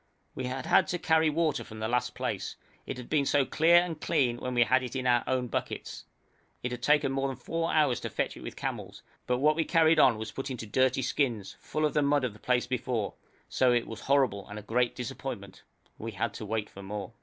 We had had to carry water from the last place. It had been so clear and clean when we had it in our own buckets. It had taken more than four hours to fetch with camels, but what we carried on was put into dirty skins, full of the mud of the place before, so it was horrible and a great disappointment; we had to wait for more.